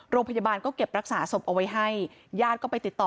โรงพยาบาลก็เก็บรักษาศพเอาไว้ให้ญาติก็ไปติดต่อ